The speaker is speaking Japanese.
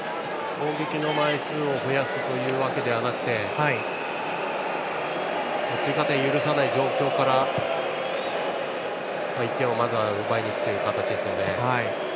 攻撃の枚数を増やすというわけではなくて追加点を許さない状況から１点をまずは奪いにいく形ですね。